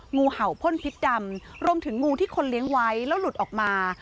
งูเห่าพ่นพิษดำรวมถึงงูที่คนเลี้ยงไว้แล้วหลุดออกมา